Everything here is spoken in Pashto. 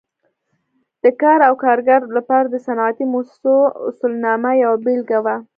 د کار او کارګر لپاره د صنعتي مؤسسو اصولنامه یوه بېلګه وه.